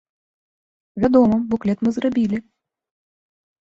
Вядома, буклет мы зрабілі.